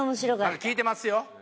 あれ聞いてますよ。